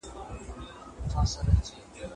که وخت وي، لوښي وچوم.